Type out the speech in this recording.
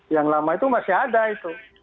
yang lama itu masih ada itu